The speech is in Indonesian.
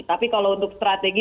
tapi kalau untuk strategi